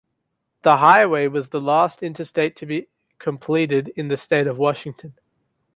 The highway was the last Interstate to be completed in the state of Washington.